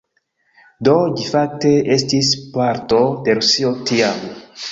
Do, ĝi fakte estis parto de Rusio tiam